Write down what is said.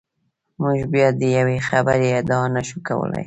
موږ بیا د یوې خبرې ادعا نشو کولای.